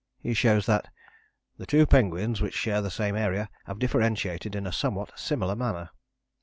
He shows that "the two penguins which share the same area have differentiated in a somewhat similar manner."